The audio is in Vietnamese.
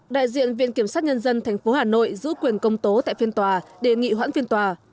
đại diện viện kiểm sát nhân dân tp hà nội giữ quyền công tố tại phiên tòa đề nghị hoãn phiên tòa